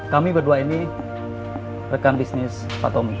kami berdua ini rekan bisnis pak tommy